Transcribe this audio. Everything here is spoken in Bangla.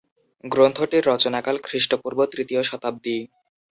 গ্রন্থটির রচনাকাল খ্রিস্টপূর্ব তৃতীয় শতাব্দী।